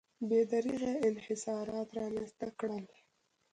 بې دریغه انحصارات رامنځته کړل.